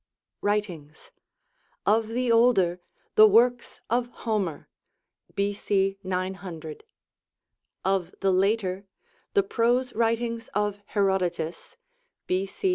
Wril/in^s. Of the Older, the works of Homer (B. C. 900). Of the Later, the prose writings of Herodotus (B. C.